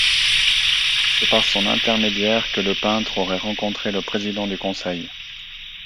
C'est par son intermédiaire que le peintre aurait rencontré le président du conseil.